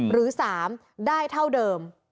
หรือ๓ได้เท่าเดิม